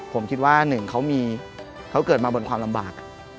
ผมคิดว่าหนึ่งเขาเกิดมาบนความลำบาก